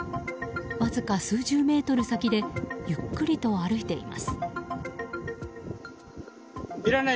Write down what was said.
わずか数十メートル先でゆっくりと歩いています。